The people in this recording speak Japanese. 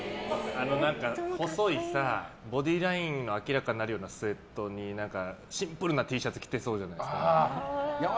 細いさボディーラインが明らかになるスウェットにシンプルなＴシャツ着てそうじゃない？